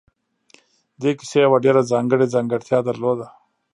دې کيسې يوه ډېره ځانګړې ځانګړتيا درلوده.